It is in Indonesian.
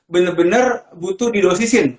bener bener butuh didosisin